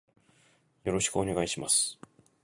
よろしくお願いします。